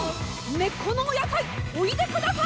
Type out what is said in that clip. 「根っこのお野菜おいでください！」